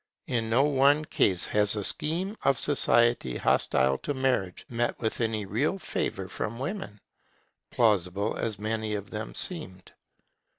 In no one case has a scheme of society hostile to marriage met with any real favour from women, plausible as many of them seemed.